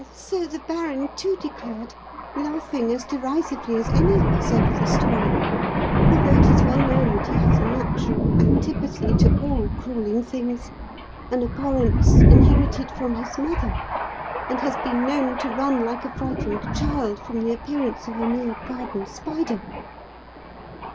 "So the baron, too, declared, laughing as derisively as any of us over the story, although it is well known that he has a natural antipathy to all crawling things an abhorrence inherited from his mother and has been known to run like a frightened child from the appearance of a mere garden spider."